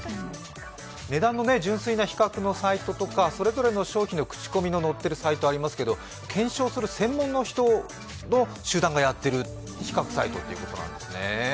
値段の、純粋な比較のサイトとかそれぞれの商品のクチコミが載ってるサイトはありますけど検証する専門の人の集団がやってる比較サイトっていうことなんですね。